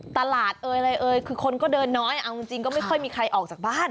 ตลาดเอ่ยอะไรเอ่ยคือคนก็เดินน้อยเอาจริงก็ไม่ค่อยมีใครออกจากบ้าน